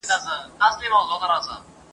بس قسمت دی و هر چا ته حق رسیږي !.